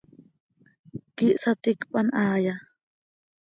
¿Quíih saticpan haaya?